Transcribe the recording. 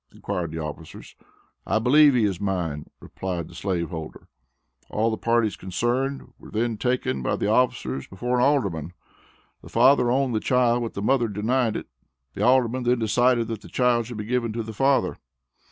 inquired the officers. "I believe he is mine," replied the slave holder. All the parties concerned were then taken by the officers before an Alderman. The father owned the child but the mother denied it. The Alderman then decided that the child should be given to the father.